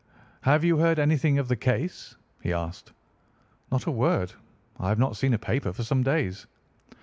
"Have you heard anything of the case?" he asked. "Not a word. I have not seen a paper for some days."